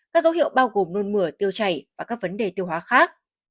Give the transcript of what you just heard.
các dấu hiệu bao gồm nôn mửa tiêu chảy và các vấn đề tiêu hóa khác